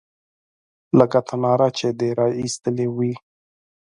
_لکه له تناره چې دې را ايستلې وي.